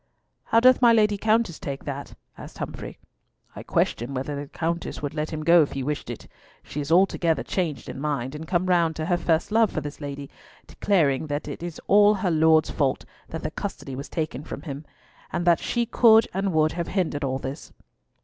"How doth my Lady Countess take that?" asked Humfrey. "I question whether the Countess would let him go if he wished it. She is altogether changed in mind, and come round to her first love for this Lady, declaring that it is all her Lord's fault that the custody was taken from them, and that she could and would have hindered all this."